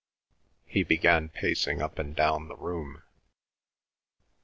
He began pacing up and down the room.